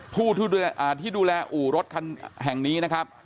ผู้ที่ดูแลอู่รถคันนี้นะครับ